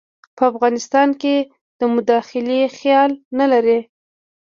په افغانستان کې د مداخلې خیال نه لري.